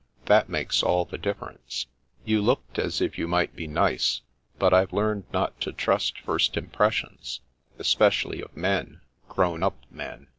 That makes all the difference. You looked as if you might be nice, but I've learned not to trust first impressions, espe cially of men — grown up men.